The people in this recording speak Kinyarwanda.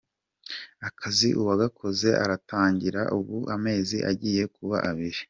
Akazi uwakaguze aragatangira, ubu amezi agiye kuba abiri.